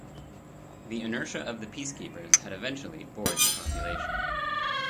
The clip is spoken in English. The inertia of the peacekeepers had eventually bored the population.